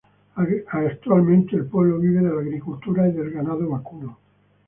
Actualmente, el pueblo vive de la agricultura y del ganado vacuno.